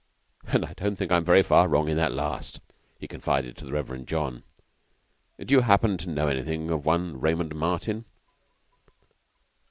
"And I don't think I am very far wrong in that last," he confided to the Reverend John. "Do you happen to know anything of one Raymond Martin?"